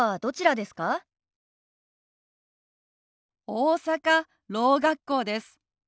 大阪ろう学校です。